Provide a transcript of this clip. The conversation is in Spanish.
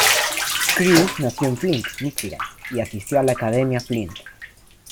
Crews nació en Flint, Michigan, y asistió a la Academia Flint.